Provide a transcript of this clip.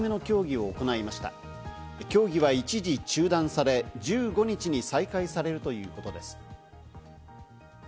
協議は一時中断され、１５日に再開されるということです。